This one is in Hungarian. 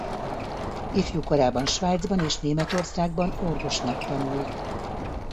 Ifjú korában Svájcban és Németországban orvosnak tanult.